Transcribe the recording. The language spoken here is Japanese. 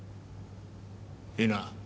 いいな？